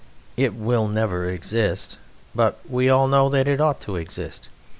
It will never exist, but we all know that it ought to exist.